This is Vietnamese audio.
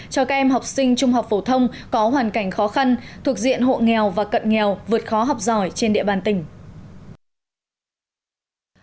cho các em học sinh trung học phổ thông có hoàn cảnh khó khăn thuộc diện hộ nghèo và cận nghèo vượt khó học giỏi trên địa bàn tỉnh